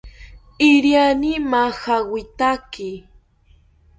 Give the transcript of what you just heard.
Iriani majawitaki